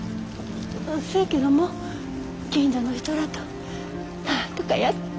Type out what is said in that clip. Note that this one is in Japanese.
せやけども近所の人らとなんとかや。